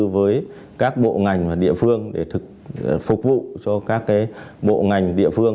với các bộ ngành và địa phương để phục vụ cho các bộ ngành địa phương